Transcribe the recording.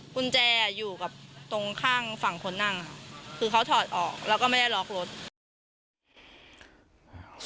กุญแจอยู่กับตรงข้างฝั่งคนนั่งค่ะคือเขาถอดออกแล้วก็ไม่ได้ล็อกรถ